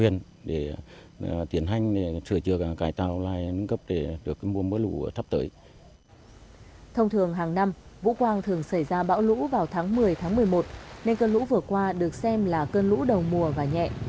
nên cơn lũ vừa qua được xem là cơn lũ đầu mùa và nhẹ